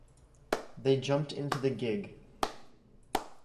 They jumped into the gig.